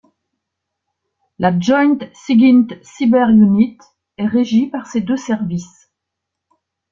La Joint Sigint Cyber Unit est régie par ces deux services.